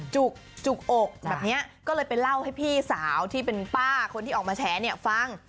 จุกอกแบบนี้ก็เลยไปเล่าให้พี่สาวที่เป็นป้าคนที่ออกมาแฉเนี่ยฟัง